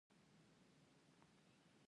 که پر انسان غېر انساني حالات وتپل سي